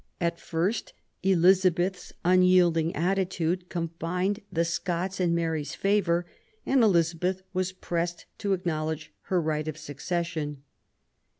At first Elizabeth's unyielding attitude combined the Scots in Mary's favour, and Elizabeth was pressed to acknowledge her right of succession.